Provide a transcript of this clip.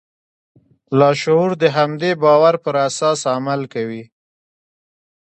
لاشعور د همدې باور پر اساس عمل کوي.